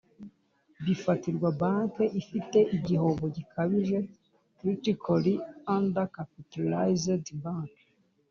bifatirwa banki ifite igihombo gikabije critically undercapitalized bank